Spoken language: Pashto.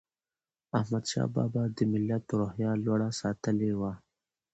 احمدشاه بابا د ملت روحیه لوړه ساتلې وه.